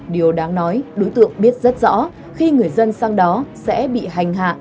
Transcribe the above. điều đáng nói đối tượng biết rất rõ khi người dân sang đó sẽ bị hành hạ